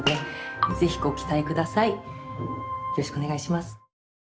よろしくお願いします。